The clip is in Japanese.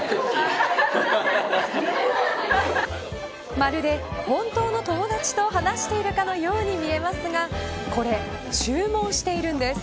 まるで本当の友達と話しているかのように見えますがこれ、注文しているんです。